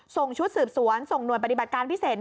ส่งชุดสืบสวนส่งหน่วยปฏิบัติการพิเศษ